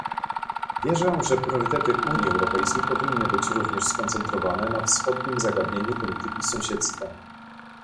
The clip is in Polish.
Wierzę, że priorytety Unii Europejskiej powinny być również skoncentrowane na wschodnim zagadnieniu polityki sąsiedztwa